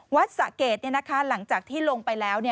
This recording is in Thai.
สะเกดหลังจากที่ลงไปแล้ว